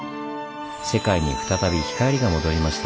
世界に再び光が戻りました。